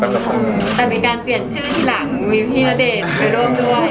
แต่มีการเปลี่ยนชื่อทีหลังมีพี่ณเดชน์ไปร่วมด้วย